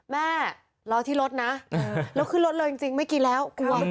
รอที่รถนะแล้วขึ้นรถเลยจริงไม่กินแล้วกลัว